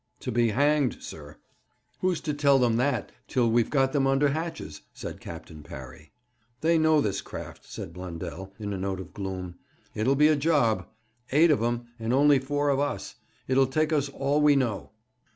'To be hanged, sir.' 'Who's to tell them that till we've got them under hatches?' said Captain Parry. 'They know this craft,' said Blundell, in a note of gloom. 'It'll be a job. Eight of 'em, and only four of us. It'll take us all we know.'